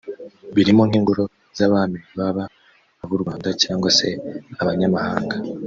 birimo nk’ingoro z’abami baba ab’u Rwanda cyangwa se abanyamahanga